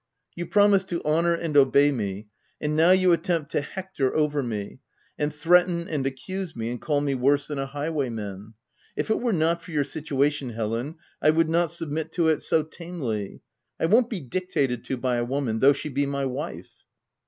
$t You promised to honour and obey me, and now you attempt to hector over me, and threaten and accuse me and call me worse than a highwaymen. If it were not for your situation Helen, I would not submit to it so tamely. I won't be dictated to by a woman, though she be my wife."